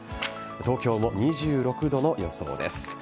東京も２６度の予想です。